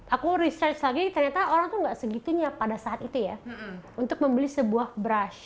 aku research lagi ternyata orang tuh gak segitunya pada saat itu ya untuk membeli sebuah brush